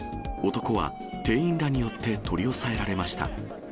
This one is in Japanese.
男は店員らによって取り押さえられました。